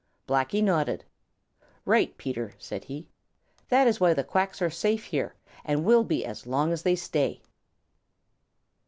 Blacky nodded. "Right, Peter," said he. "That is why the Quacks are safe here and will be as long as they stay."